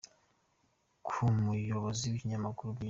Ku muyobozi w’ikinyamakuru « Bwiza »,